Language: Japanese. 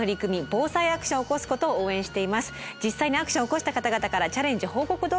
実際にアクションを起こした方々からチャレンジ報告動画を募集しています。